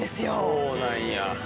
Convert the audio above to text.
そうなんや。